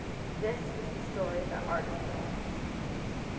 This is the story that Arden told.